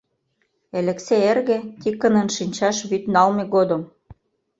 Элексей эрге Тикынын шинчаш вӱд налме годым